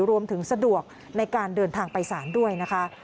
สะดวกในการเดินทางไปสารด้วยนะคะ